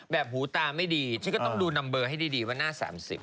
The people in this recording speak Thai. หูตาไม่ดีฉันก็ต้องดูนัมเบอร์ให้ดีว่าหน้า๓๐